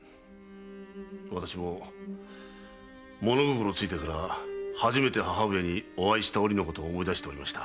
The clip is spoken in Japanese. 私ももの心ついてから初めて母上にお会いした折のことを思い出しておりました。